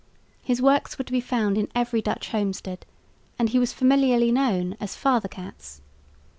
His works were to be found in every Dutch homestead, and he was familiarly known as "Father Cats."